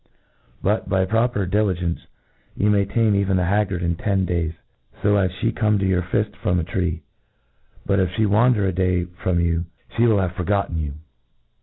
— ^but, by proper di ligence, you may .tame even the haggard in ten days, fo as flie Ihall come to your fill from a tree. Yet, if fhc wander a day from you, flic will have forgotten you.